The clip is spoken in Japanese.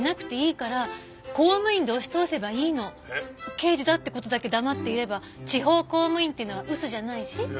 刑事だって事だけ黙っていれば地方公務員っていうのは嘘じゃないし。